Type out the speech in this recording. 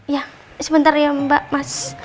ya sebentar ya mbak mas